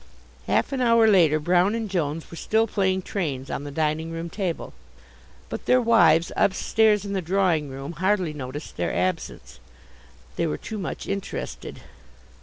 Half an hour later Brown and Jones were still playing trains on the dining room table. But their wives upstairs in the drawing room hardly noticed their absence. They were too much interested.